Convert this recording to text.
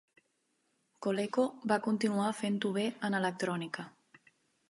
Coleco va continuar fent-ho bé en electrònica.